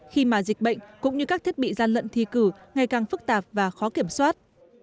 khi mà dịch bệnh cũng như các thiết bị gian lận thi cử ngày càng phức tạp và khó kiểm soát